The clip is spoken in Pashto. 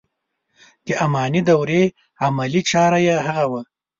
د اماني دورې عملي چاره یې هغه و.